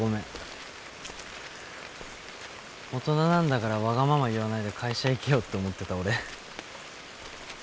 大人なんだからわがまま言わないで会社行けよって思ってた俺。